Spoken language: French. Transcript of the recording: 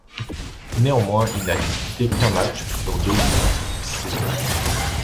Néanmoins il n'a disputé qu'un match sur deux durant cette saison.